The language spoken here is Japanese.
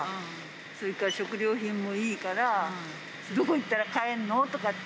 それから食料品もいいから、どこ行ったら買えるの？とかって。